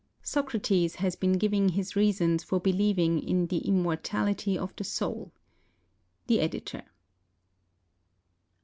Socrates has been giving his reasons for believing in the immortality of the soul. The Editor.